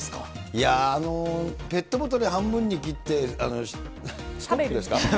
いやー、ペットボトルを半分に切って、シャベルですか？